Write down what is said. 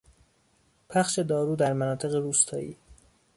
پخش دارو در مناطق روستایی